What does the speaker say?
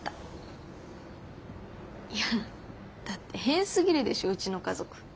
いやだって変すぎるでしょうちの家族。